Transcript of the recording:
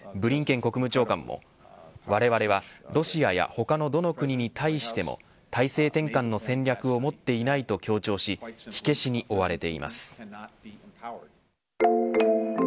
ブリンケン国務長官もわれわれはロシアや他のどの国に対しても体制転換の戦略を持っていないと強調し火消しに追われています。